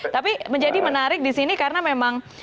tapi menjadi menarik di sini karena memang